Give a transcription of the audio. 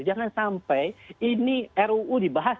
jangan sampai ini ruu dibahas